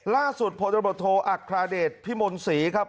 ล่าสุดโพธรบทอัคราเดชพิมนศ์ศรีครับ